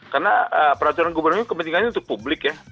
karena peraturan gubernur kepentingannya untuk publik ya